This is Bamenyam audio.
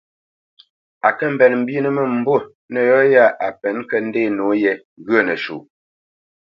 A kə mbenə mbínə mə́mbû nə yɔ ya a penə ŋkə ndenə nǒye ghyə̂ nəsuʼ.